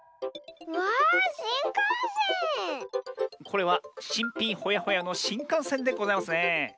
これはしんぴんホヤホヤのしんかんせんでございますねえ。